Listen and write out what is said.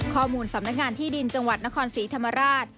ข้อมูลสำนักงานที่ดินจังหวัดนครศรีธรรมราช